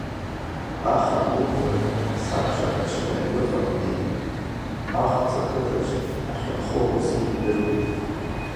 Аха боуазар, сабшак аҽны аҩныҟа бнеи, Ахәҵа ақыҭаҿ ҳахьынхо усгьы ибдыруеит.